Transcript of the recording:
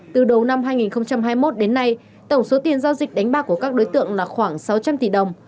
từ đầu năm hai nghìn hai mươi một đến nay tổng số tiền giao dịch đánh bạc của các đối tượng là khoảng sáu trăm linh tỷ đồng